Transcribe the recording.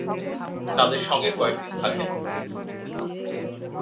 তাদের সঙ্গে কয়েক দিন থাকেন।